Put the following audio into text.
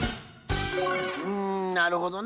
うんなるほどね。